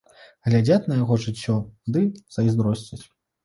Глядзяць на яго жыццё ды зайздросцяць.